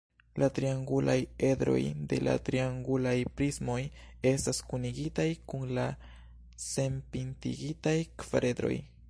La triangulaj edroj de la triangulaj prismoj estas kunigitaj kun la senpintigitaj kvaredroj.